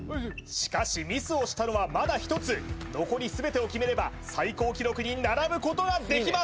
しかしミスをしたのはまだ１つ残り全てを決めれば最高記録に並ぶことができます